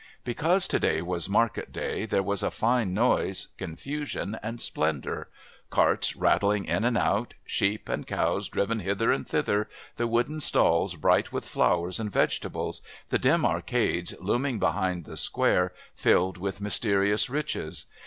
Because to day was market day there was a fine noise, confusion and splendour carts rattling in and out, sheep and cows driven hither and thither, the wooden stalls bright with flowers and vegetables, the dim arcades looming behind the square filled with mysterious riches.